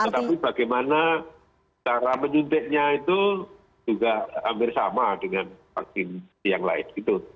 tapi bagaimana cara menyuntiknya itu juga hampir sama dengan vaksin yang lain gitu